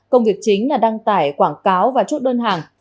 công việc chính là đăng tải quảng cáo và chốt đơn hàng